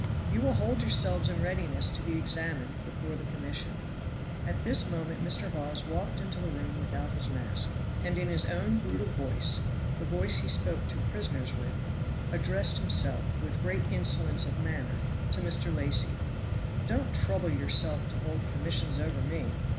"You will hold yourselves in readiness to be examined before the commission." At this moment Mr. Hawes walked into the room without his mask, and in his own brutal voice the voice he spoke to prisoners with addressed himself, with great insolence of manner, to Mr. Lacy. "Don't trouble yourself to hold commissions over me.